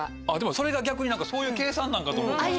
それが逆にそういう計算なんかと思ってました。